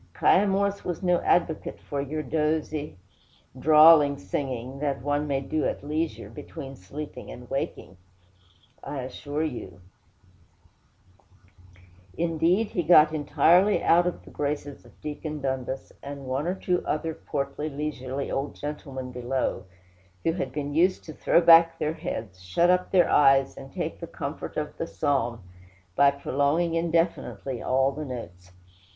'Kiah Morse was no advocate for your dozy, drawling singing, that one may do at leisure, between sleeping and waking, I assure you; indeed, he got entirely out of the graces of Deacon Dundas and one or two other portly, leisurely old gentlemen below, who had been used to throw back their heads, shut up their eyes, and take the comfort of the psalm, by prolonging indefinitely all the notes.